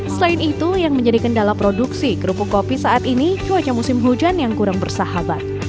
selain itu yang menjadi kendala produksi kerupuk kopi saat ini cuaca musim hujan yang kurang bersahabat